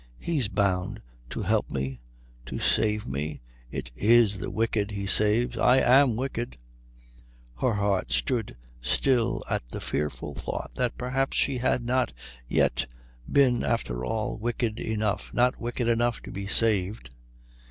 He's bound to help me, to save me. It is the wicked He saves I am wicked " Her heart stood still at the fearful thought that perhaps she had not yet been after all wicked enough, not wicked enough to be saved.